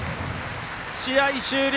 試合終了。